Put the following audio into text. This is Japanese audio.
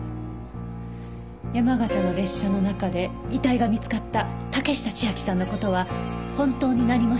山形の列車の中で遺体が見つかった竹下千晶さんの事は本当に何も知らないの？